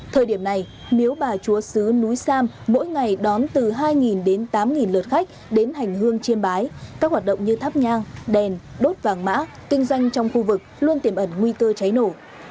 thời điểm này nếu bà chúa sứ núi sam mỗi ngày đón từ hai đến tám lượt khách đến hành hương chiêm bái các hoạt động như thắp nhang đèn đốt vàng mã kinh doanh trong khu vực luôn tiềm ẩn nguy cơ cháy nổ